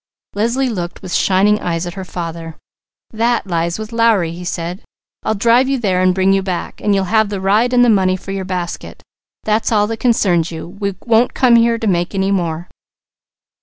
Leslie looked with shining eyes at her father. "That lies with Lowry," he said. "I'll drive you there and bring you back, and you'll have the ride and the money for your basket. That's all that concerns you. We won't come here to make any more."